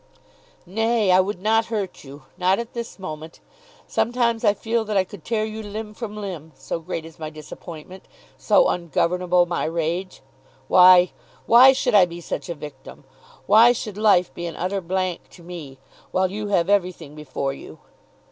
"Nay, I would not hurt you, not at this moment. Sometimes I feel that I could tear you limb from limb, so great is my disappointment, so ungovernable my rage! Why, why should I be such a victim? Why should life be an utter blank to me, while you have everything before you?